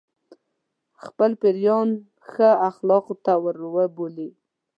خپل پیروان ښو اخلاقو ته وروبولي.